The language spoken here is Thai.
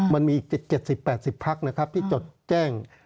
มันมีอีก๗๐๘๐ภัคที่จดแจ้ง